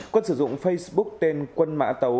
quân sử dụng facebook tên quân mã tấu